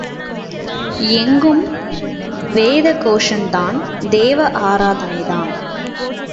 எங்கும் வேத கோஷந்தான், தேவ ஆராதனைதான்.